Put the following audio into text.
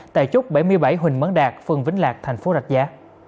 tại chốt bảy mươi bảy huỳnh mấn đạt phần vĩnh lạc thành phố rạch giá